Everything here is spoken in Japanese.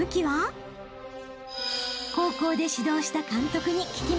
［高校で指導した監督に聞きました］